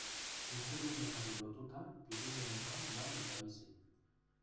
Ingurumenari lotuta Pirinioetan lan eta bizi.